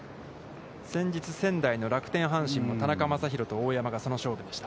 先日、仙台の楽天・阪神も田中将大と大山がその勝負でした。